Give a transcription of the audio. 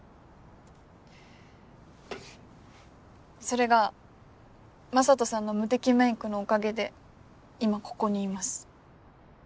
それが雅人さんの無敵メイクのおかげで今ここにいます。